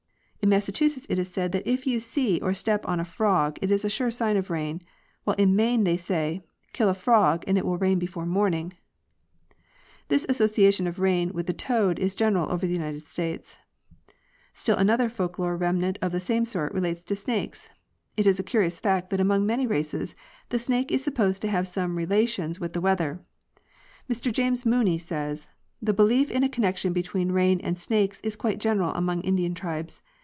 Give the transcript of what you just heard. In Massachusetts it is said that if you see or step on a frog it is a sure sign of rain, while in Maine they say, " Kill a frog and it will rain before morning" (Miss F. D. Bergen). This association of rain with the toad is general over the United States. Still another folk lore remnant of the same sort relates to snakes. It is a curious fact that among many races the snake is supposed to have some relations with the weather. Mr James Mooney says, "The belief in a con nection between rain and snakes is quite general among Indian tribes.